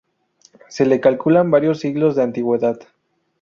Se le calculan varios siglos de antigüedad.